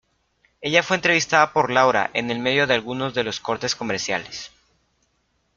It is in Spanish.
Ella fue entrevistada por Laura en el medio de algunos de los cortes comerciales.